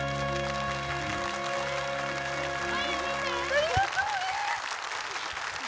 ありがとう、え！